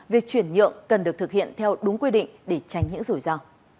việc chuyển nhượng cần được thực hiện theo đúng quy định để tránh những rủi ro